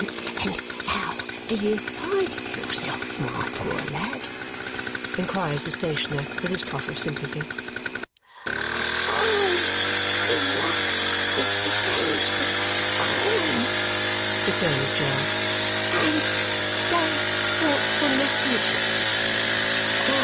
"And how do you find yourself, my poor lad?" inquires the stationer with his cough of sympathy. "I am in luck, Mr. Sangsby, I am," returns Jo, "and don't want for nothink.